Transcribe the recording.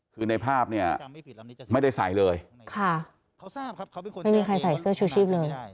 คือในภาพเนี่ยไม่ได้ใส่เลยค่ะไม่มีใครใส่เสื้อชูชีพเลย